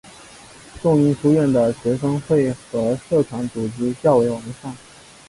仲英书院的学生会和社团组织较为完善。